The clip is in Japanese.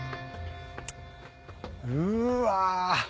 うわ！